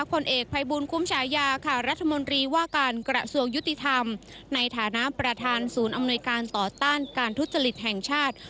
ผลเอกภัยบูลคุ้มฉายาค่ะรัฐมนตรีว่าการกระทรวงยุติธรรมในฐานะประธานศูนย์อำนวยการต่อต้านการทุจริตแห่งชาติ